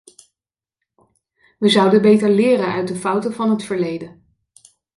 We zouden beter leren uit de fouten van het verleden.